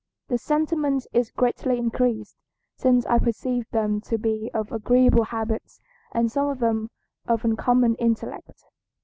The sentiment is greatly increased, since I perceive them to be of agreeable habits and some of them of uncommon intellect."